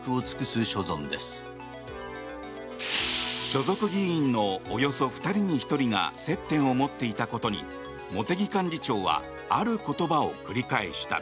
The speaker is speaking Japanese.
所属議員のおよそ２人に１人が接点を持っていたことに茂木幹事長はある言葉を繰り返した。